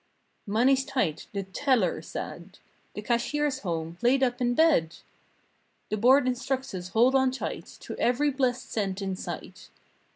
"Money's tight!" the teller said. "The cashier's home—laid up in bed!!" "The Board instructs us hold on tight To every blessed cent in sight.